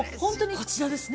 ◆こちらですね？